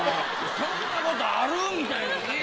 そんなことある？みたいなね。